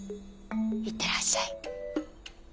「いってらっしゃい」。